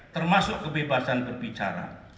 termasuk kebebasan berbicara